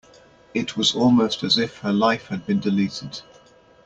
It was almost as if her life had been deleted.